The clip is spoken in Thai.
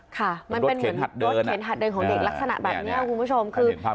ค่ะมันเป็นเหมือนรถเข็นหัดเดินของเด็กลักษณะแบบนี้คุณผู้ชมคือ